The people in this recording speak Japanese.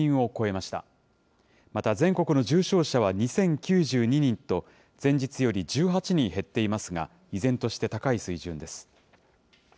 また全国の重症者は２０９２人と、前日より１８人減っていますが、依然として高い水準です。